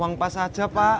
uang pas aja pak